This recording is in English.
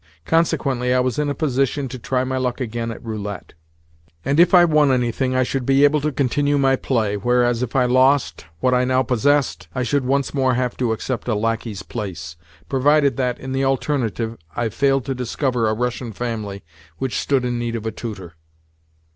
Consequently, I was in a position to try my luck again at roulette; and if I won anything I should be able to continue my play, whereas, if I lost what I now possessed, I should once more have to accept a lacquey's place, provided that, in the alternative, I failed to discover a Russian family which stood in need of a tutor.